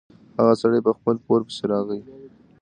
هغه سړی په خپل پور پسې راغی.